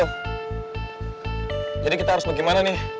oh jadi kita harus bagaimana nih